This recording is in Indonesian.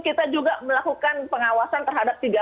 kita juga melakukan pengawasan terhadap